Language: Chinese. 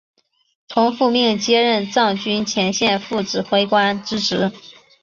从父命接任藏军前线副指挥官之职。